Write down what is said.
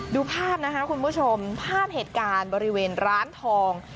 ดูภาพนะคะคุณผู้ชมภาพเหตุการณ์บริเวณร้านทอง